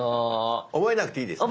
覚えなくていいですか？